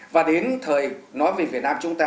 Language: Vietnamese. và đến thời nói về việt nam chúng ta